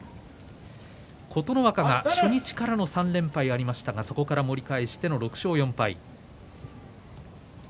琴ノ若が初日からの３連敗ありましたがそこから盛り返しての６勝４敗。